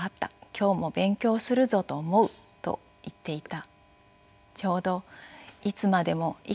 今日も勉強するぞと思う」と言っていた。